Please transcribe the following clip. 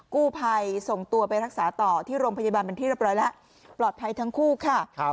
กู้ภัยส่งตัวไปรักษาต่อที่โรงพยาบาลเป็นที่เรียบร้อยแล้วปลอดภัยทั้งคู่ค่ะ